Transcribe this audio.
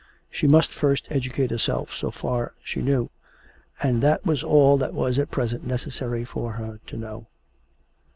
She must first educate herself, so far she knew, and that was all that was at present necessary for her to know.